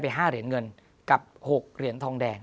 ๕เหรียญเงินกับ๖เหรียญทองแดง